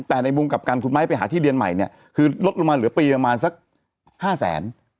แต่ในมุมกลับกันคุณไม้ไปหาที่เรียนใหม่เนี่ยคือลดลงมาเหลือปีประมาณสัก๕แสน